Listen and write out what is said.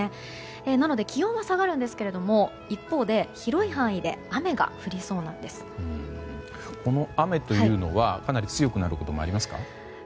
なので気温は下がるんですが一方で、広い範囲でこの雨というのはかなり強くなることもありますか？